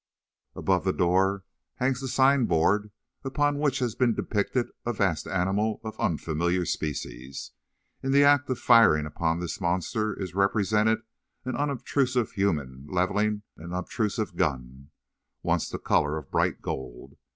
Above the door hangs the sign board, upon which has been depicted a vast animal of unfamiliar species. In the act of firing upon this monster is represented an unobtrusive human levelling an obtrusive gun, once the colour of bright gold.